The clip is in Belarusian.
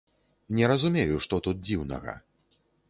Не разумею, што тут дзіўнага.